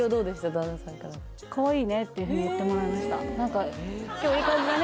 旦那さんからの「かわいいね」っていうふうに言ってもらいました何か「今日いい感じだね」